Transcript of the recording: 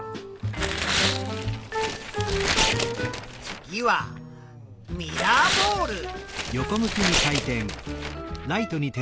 次はミラーボール。